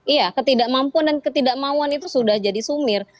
iya ketidakmampuan dan ketidakmauan itu sudah jadi sumir